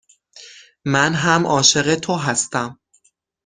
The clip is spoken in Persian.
من هم عاشق تو هستم.